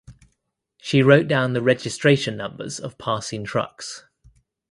She wrote down the registration numbers of passing trucks.